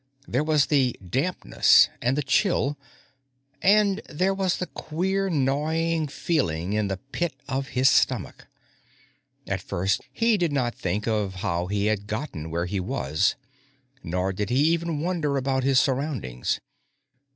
There was the dampness and the chill. And there was the queer, gnawing feeling in the pit of his stomach. At first, he did not think of how he had gotten where he was, nor did he even wonder about his surroundings.